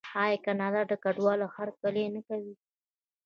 آیا کاناډا د کډوالو هرکلی نه کوي؟